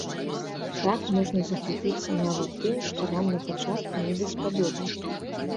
Так можна захапіцца нават тым, што вам напачатку не даспадобы.